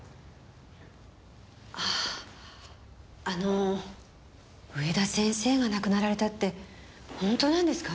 ああの上田先生が亡くなられたってホントなんですか？